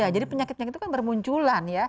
jadi penyakit penyakit itu bermunculan